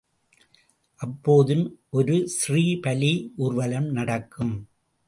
அப்போதும் ஒரு ஸ்ரீபலி ஊர்வலம் நடக்கும்.